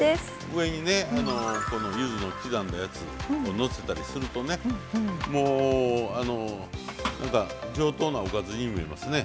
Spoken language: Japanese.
上にゆずの刻んだやつをのせたりするとねもう上等なおかずに見えますね。